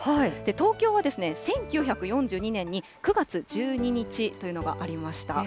東京は１９４２年に９月１２日というのがありました。